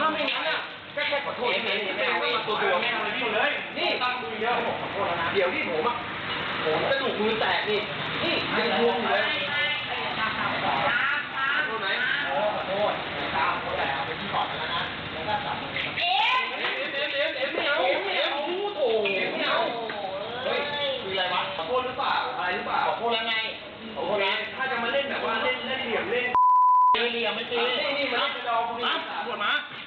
นายโจ๊กบอกว่าเป็นอับดีกันมาก่อน